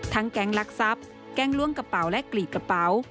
แก๊งลักทรัพย์แก๊งล่วงกระเป๋าและกรีดกระเป๋า